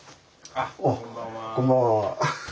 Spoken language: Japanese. あこんばんは。